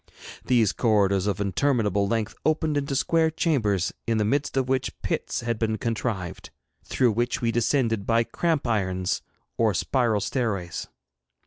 These corridors of interminable length opened into square chambers, in the midst of which pits had been contrived, through which we descended by cramp irons or spiral stairways.